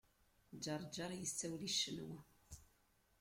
Ǧeṛǧeṛ yessawel i Ccenwa.